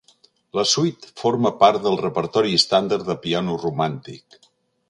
La suite forma part del repertori estàndard de piano romàntic.